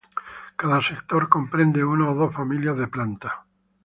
Cada sector comprende uno a dos familias de plantas.